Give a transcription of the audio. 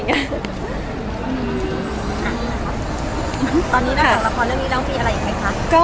ตอนนี้เราถามละครเรื่องนี้เล่าคืออะไรอย่างไรคะ